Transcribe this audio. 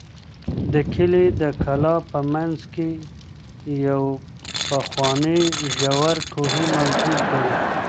د کلي د کلا په منځ کې یو پخوانی ژور کوهی موجود دی.